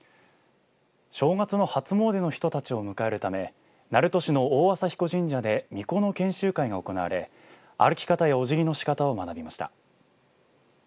正月の初詣の人たちを迎えるため鳴門市の大麻比古神社でみこの研修会が行われ歩き方やおじぎの仕方を学びました。